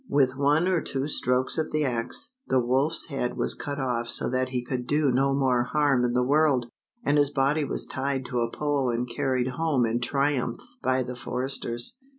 With one or two strokes of the axe, the wolfs head was cut off so that he could do no more harm in the world, and his body was tied to a pole and carried home in triumph by the foresters.